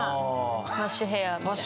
マッシュヘアみたいな。